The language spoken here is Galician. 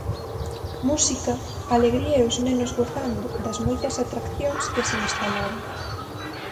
Música, alegría e os nenos gozando das moitas atraccións que se instalaron.